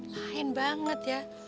lain banget ya